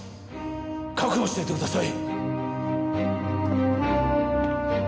覚悟しといてください！